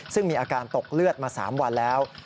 ซึ่งมีอาการตกเลือดมา๓วันแล้ว